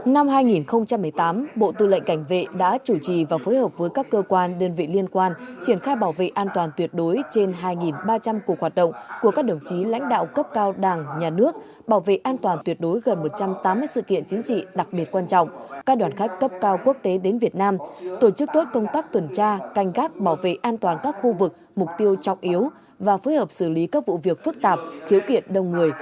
năm hai nghìn một mươi tám bộ tư lệnh cảnh vệ đã chủ trì và phối hợp với các cơ quan đơn vị liên quan triển khai bảo vệ an toàn tuyệt đối trên hai ba trăm linh cuộc hoạt động của các đồng chí lãnh đạo cấp cao đảng nhà nước bảo vệ an toàn tuyệt đối gần một trăm tám mươi sự kiện chính trị đặc biệt quan trọng các đoàn khách cấp cao quốc tế đến việt nam tổ chức tốt công tác tuần tra canh gác bảo vệ an toàn các khu vực mục tiêu trọng yếu và phối hợp xử lý các vụ việc phức tạp khiếu kiện đông người